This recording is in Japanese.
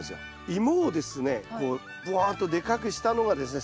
イモをですねこうぶわっとでかくしたのがですね